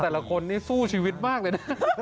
แต่ละคนนี้สู้ชีวิตมากเลยนะ